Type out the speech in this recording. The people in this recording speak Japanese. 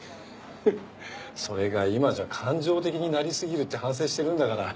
フッそれが今じゃ感情的になりすぎるって反省してるんだから。